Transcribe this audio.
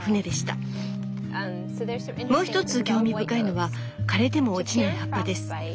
もう一つ興味深いのは枯れても落ちない葉っぱです。